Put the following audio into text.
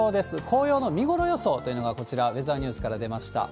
紅葉の見ごろ予想というのがこちら、ウェザーニュースから出ました。